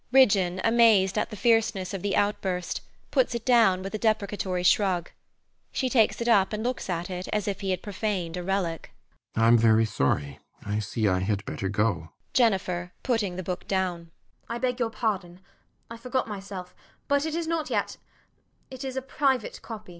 Ridgeon, amazed at the fierceness of the outburst, puts it down with a deprecatory shrug. She takes it up and looks at it as if he had profaned a relic. RIDGEON. I am very sorry. I see I had better go. JENNIFER [putting the book down] I beg your pardon. I forgot myself. But it is not yet it is a private copy.